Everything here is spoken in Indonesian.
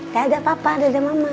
gagak papa dada mama